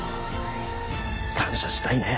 感謝したいね。